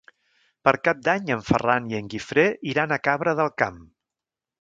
Per Cap d'Any en Ferran i en Guifré iran a Cabra del Camp.